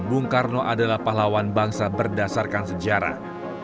bung karno adalah pahlawan bangsa berdasarkan sejarah